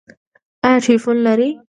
ایا ټیلیفون لرئ؟